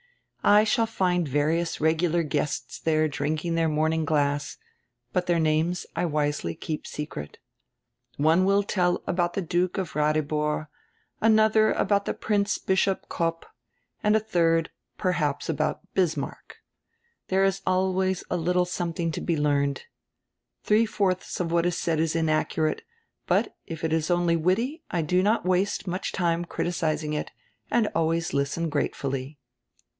I shall find various regular guests diere drinking dieir morn ing glass, hut dieir names I wisely keep secret. One will tell ahout die Duke of Ratihor, another ahout die Prince Bishop Kopp, and a tiiird perhaps ahout Bismarck. There is always a little something to he learned. Three fourdis of what is said is inaccurate, hut if it is only witty I do not waste much time criticising it and always listen gratefully."